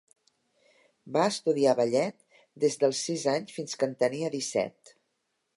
Va estudiar ballet des dels sis anys fins que en tenia disset.